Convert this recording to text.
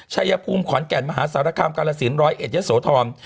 ชายภูมิขอนแก่นมหาสารคามกาลสินร้อยเอ็ดยะโสธร